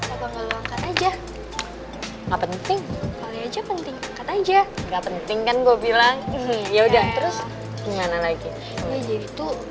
aja nggak penting aja nggak penting kan gue bilang ya udah terus gimana lagi jadi itu